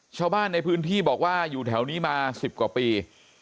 ชาวบ้านในพื้นที่บอกว่าอยู่แถวนี้มา๑๐กว่าปี